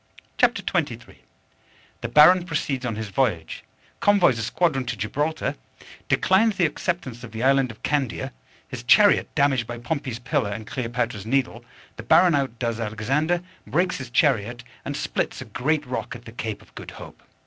CHAPTER XXIII _The Baron proceeds on his voyage Convoys a squadron to Gibraltar Declines the acceptance of the island of Candia His chariot damaged by Pompey's Pillar and Cleopatra's Needle The Baron out does Alexander Breaks his chariot, and splits a great rock at the Cape of Good Hope.